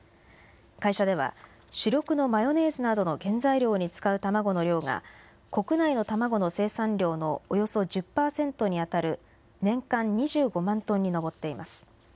会社では、主力のマヨネーズなどの原材料に使う卵の量が、国内の卵の生産量のおよそ１０％に当たる年間２５万トンに上っています。